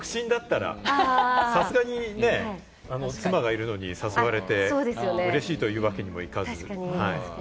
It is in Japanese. さすがに妻がいるのに誘われて嬉しいというわけにもいかず。